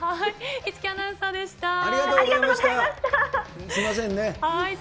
市來アナウンサーでした。